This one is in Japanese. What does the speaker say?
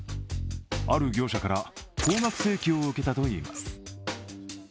ある業者から、高額請求を受けたといいます。